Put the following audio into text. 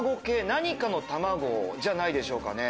何かの卵じゃないでしょうかね？